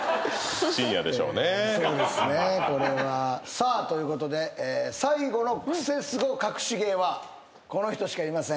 さあということで最後のクセスゴかくし芸はこの人しかいません。